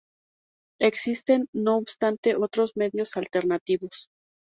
Existen, no obstante, otros medios alternativos